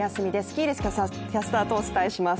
喜入キャスターとお伝えします